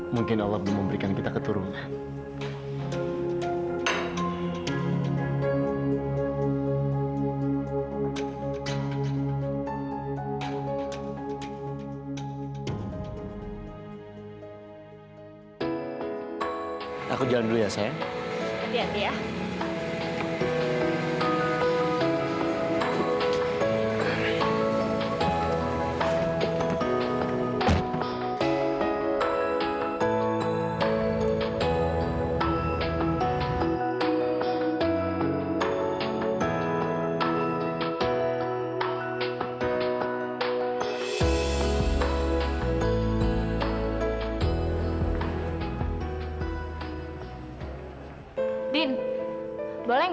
mungkin allah belum memberikan kita keturunan